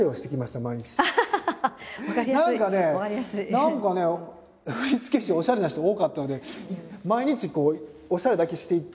何かね振付師おしゃれな人多かったので毎日こうおしゃれだけして行って。